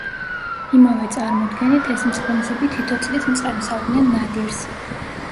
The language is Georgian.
იმავე წარმოდგენით, ეს მწყემსები თითო წლით მწყემსავდნენ ნადირს.